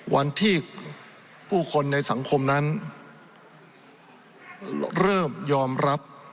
วันที่ผู้คนในสังคมนั้นเริ่มยอมรับ